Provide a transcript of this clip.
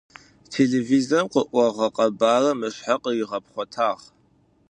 Телевизорым къыӏогъэ къэбарым ышъхьэ къыригъэпхъотагъ.